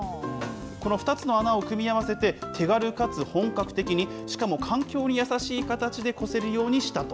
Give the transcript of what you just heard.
この２つの穴を組み合わせて、手軽かつ本格的に、しかも環境に優しい形でこせるようにしたと。